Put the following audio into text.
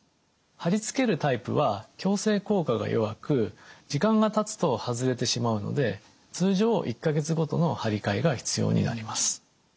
貼り付けるタイプは矯正効果が弱く時間がたつと外れてしまうので通常１か月ごとの貼り替えが必要になります。